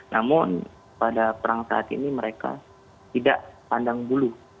namun pada perang saat ini mereka tidak pandang bulu